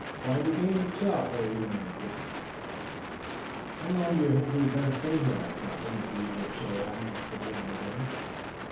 Why, the game itself will increase!" "How long do you think we'd better stay here?" asked Robert, his eager soul anxious to be on again.